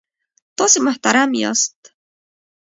تاسې محترم یاست.